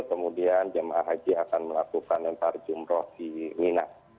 kemudian jemaah haji akan melakukan memparjumroh di minah